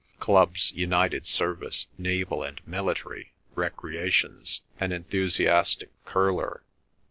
Clubs: United Service, Naval and Military. Recreations: an enthusiastic curler.